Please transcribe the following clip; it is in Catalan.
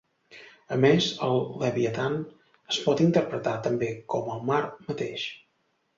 A més, el Leviatan es pot interpretar també com el mar mateix.